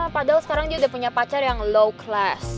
padahal sekarang dia udah punya pacar yang low class